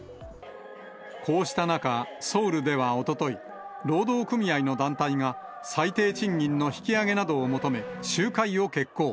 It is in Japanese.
こうした中、ソウルではおととい、労働組合の団体が最低賃金の引き上げなどを求め、集会を決行。